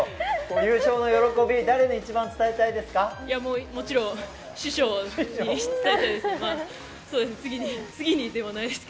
優勝の喜び、誰に一番伝えたいですか？